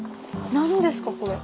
何ですかこれ。